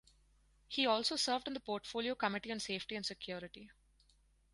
He also served on the Portfolio Committee on Safety and Security.